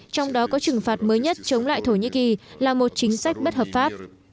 trong đó có trừng phạt mới nhất chống lại thổ nhĩ kỳ là một chính sách bất hợp pháp